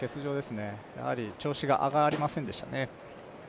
やはり調子が上がりませんでしたね。